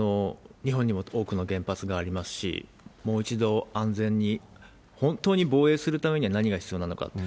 日本にも多くの原発がありますし、もう一度安全に本当に防衛するためには何が必要なのか。